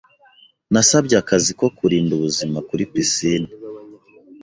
Nasabye akazi ko kurinda ubuzima kuri pisine.